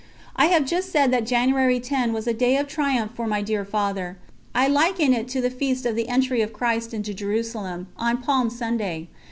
I have just said that January 10 was a day of triumph for my dear Father. I liken it to the feast of the entry of Christ into Jerusalem, on Palm Sunday.